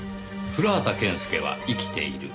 古畑健介は生きている。